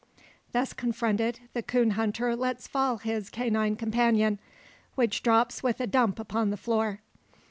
Thus confronted, the coon hunter lets fall his canine companion; which drops with a dump upon the floor.